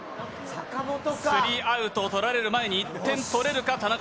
スリーアウトを取られるまえに１点取れるか。